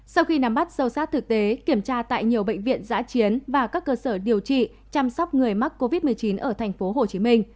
sau khi nắm bắt sâu sát thực tế kiểm tra tại nhiều bệnh viện giã chiến và các cơ sở điều trị chăm sóc người mắc covid một mươi chín ở tp hcm